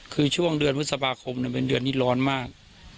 คือช่วงเดือนพฤษภาคมเป็นเดือนที่ร้อนมาก